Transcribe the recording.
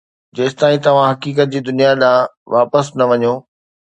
جيستائين توهان حقيقت جي دنيا ڏانهن واپس نه وڃو.